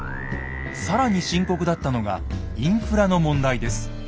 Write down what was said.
更に深刻だったのがインフラの問題です。